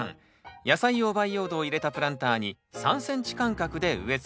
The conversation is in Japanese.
野菜用培養土を入れたプランターに３ｃｍ間隔で植え付けるだけ。